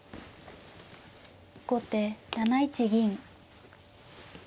後手７一銀。